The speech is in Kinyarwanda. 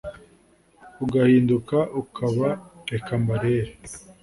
ugahinduka ukaba’reka mbarere’